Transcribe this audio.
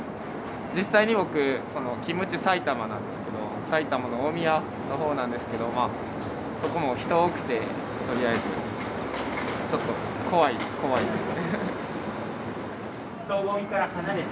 実際に僕その勤務地埼玉なんですけど埼玉の大宮の方なんですけどまあそこも人多くてとりあえずちょっと怖い怖いです。